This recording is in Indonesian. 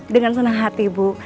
dengan senang hati bu